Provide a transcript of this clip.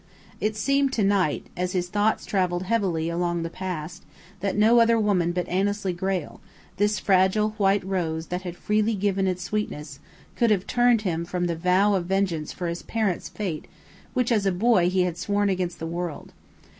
It seemed to Knight, as his thoughts travelled heavily along the past, that no other woman but Annesley Grayle, this fragile white rose that had freely given its sweetness, could have turned him from the vow of vengeance for his parents' fate which as a boy he had sworn against the world.